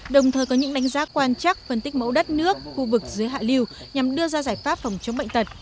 đồng thời có những đánh giá quan chắc phân tích mẫu đất nước khu vực dưới hạ lưu nhằm đưa ra giải pháp phòng chống bệnh tật